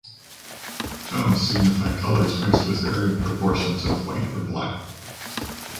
Tones signify colors mixed with varying proportions of white or black.